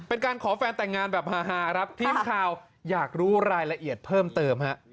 เป็นการขอแฟนแต่งงานแบบฮาครับทีมข่าวอยากรู้รายละเอียดเพิ่มเติมฮะ